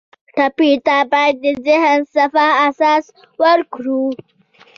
ټپي ته باید د ذهن صفا احساس ورکړو.